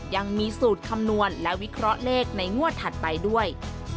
ยังมีสูตรคำนวณและวิเคราะห์เลขในงวดถัดไปด้วย